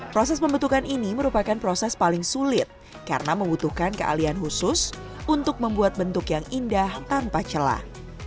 proses pembentukan ini merupakan proses paling sulit karena membutuhkan kealian khusus untuk membuat bentuk yang indah tanpa celah